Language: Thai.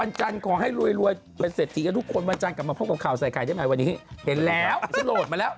อะขวยออกวันบ้านไหน